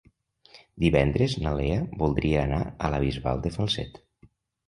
Divendres na Lea voldria anar a la Bisbal de Falset.